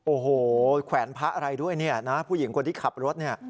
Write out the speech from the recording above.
โอ้โหแขวนพระอะไรด้วยเนี่ยนะผู้หญิงคนที่ขับรถเนี่ย